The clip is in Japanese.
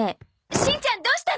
しんちゃんどうしたの？